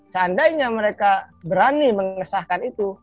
seandainya mereka berani mengesahkan itu